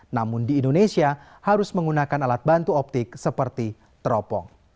namun di indonesia harus menggunakan alat bantu optik seperti teropong